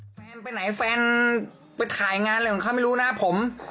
แฟนไปไหนแฟนไปถ่ายงานอะไรของเขาไม่รู้นะผม